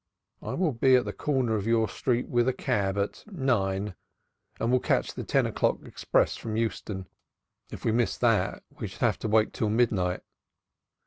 I will be at the corner of your street with a cab at nine, and we'll catch the ten o'clock express from Euston. If we missed that, we should have to wait till midnight.